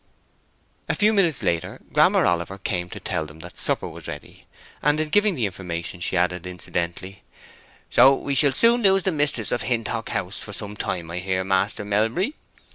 A few minutes later Grammer Oliver came to tell them that supper was ready, and in giving the information she added, incidentally, "So we shall soon lose the mistress of Hintock House for some time, I hear, Maister Melbury.